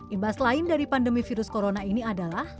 imbas lain dari pandemi virus corona ini adalah